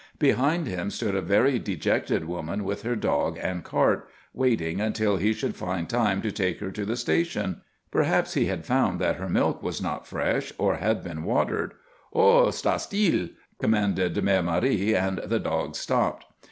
Behind him stood a very dejected woman with her dog and cart, waiting until he should find time to take her to the station. Perhaps he had found that her milk was not fresh or had been watered. "Ho! Sta stil!" commanded Mère Marie, and the dogs stopped.